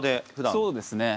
そうですね。